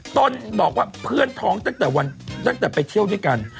ต้นบอกว่าเพื่อนท้องตั้งแต่วันตั้งแต่ไปเที่ยวด้วยกัน